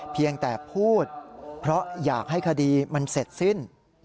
เพียงแต่พูดเพราะอยากให้คดีมันเสร็จสิ้น